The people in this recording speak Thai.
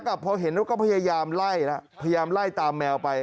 พยายามของสุนัขพอเห็นแล้วก็พยายามไล่พยายามไล่ตามแมวไป